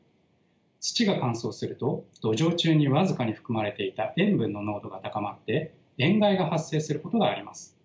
土が乾燥すると土壌中に僅かに含まれていた塩分の濃度が高まって塩害が発生することがあります。